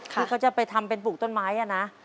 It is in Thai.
ที่เขาจะไปทำเป็นปลูกต้นไม้นะ